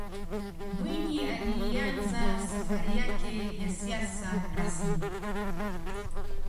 mwinyi aliianza safari yake ya siasa rasmi